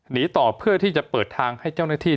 หนีต่อเพื่อที่จะเปิดทางให้เจ้าหน้าที่